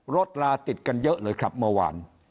ลาติดกันเยอะเลยครับเมื่อวาน